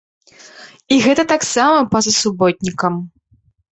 І гэта таксама па-за суботнікам.